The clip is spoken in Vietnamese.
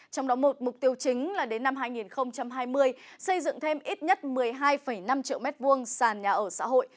trong đó một mục tiêu chính là đến năm hai nghìn hai mươi xây dựng thêm ít nhất một mươi hai năm triệu m hai sàn nhà ở xã hội